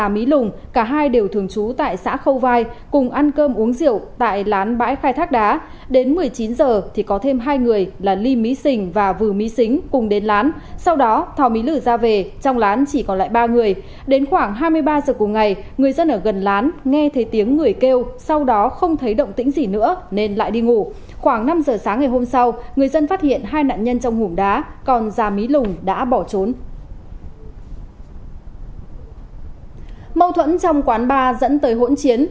mâu thuẫn trong quán bar dẫn tới hỗn chiến